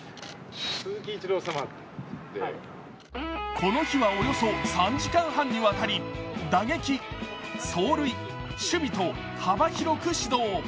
この日はおよそ３時間半にわたり打撃、走塁、守備と幅広く指導。